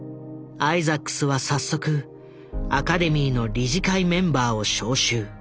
アイザックスは早速アカデミーの理事会メンバーを招集。